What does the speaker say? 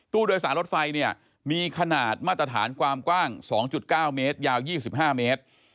โดยสารรถไฟเนี่ยมีขนาดมาตรฐานความกว้าง๒๙เมตรยาว๒๕เมตร